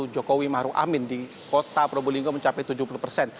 jokowi mahru amin di kota perubo linggo mencapai tujuh puluh persen